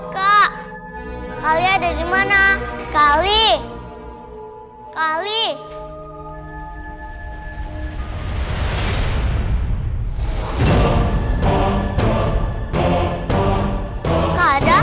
kak adam bangun kak